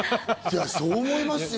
そう思いますよ。